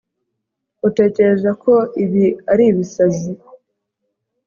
Utekereza ko ibi ari ibisazi